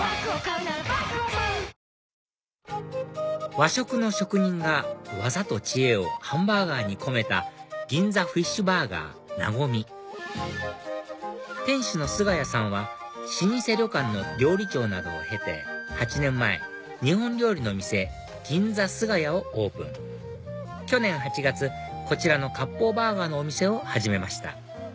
和食の職人が技と知恵をハンバーガーに込めた銀座フィッシュバーガーＮａｇｏｍｉ店主の菅谷さんは老舗旅館の料理長などを経て８年前日本料理の店銀座すが家をオープン去年８月こちらの割烹バーガーのお店を始めました